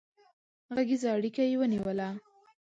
غږيزه اړيکه يې ونيوله